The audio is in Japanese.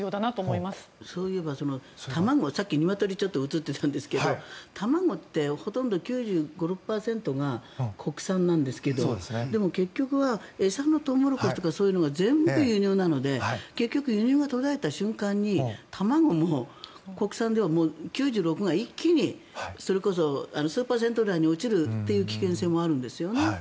そういえばさっきニワトリが映ってたんですが卵ってほとんど９５９６％が国産なんですがでも結局は餌のトウモロコシとか全部輸入なので結局輸入が途絶えた瞬間に卵も国産では９６％が一気にそれこそ数パーセント台に落ちるという危険性もあるんですよね。